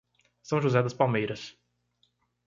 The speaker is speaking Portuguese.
São José das Palmeiras